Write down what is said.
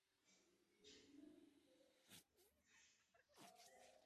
بشر هم تل ښه نه شي کېدلی .